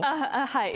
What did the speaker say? はい。